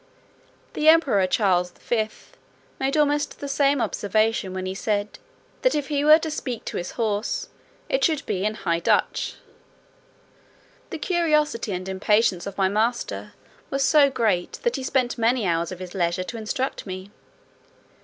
The emperor Charles V. made almost the same observation, when he said "that if he were to speak to his horse, it should be in High Dutch." The curiosity and impatience of my master were so great, that he spent many hours of his leisure to instruct me.